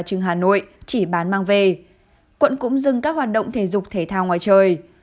trường hà nội chỉ bán mang về quận cũng dừng các hoạt động thể dục thể thao ngoài trời